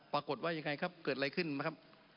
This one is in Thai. ปรากฏว่ายังไงครับเกิดอะไรขึ้นนะครับ